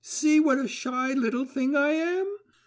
See what a shy little thing I am?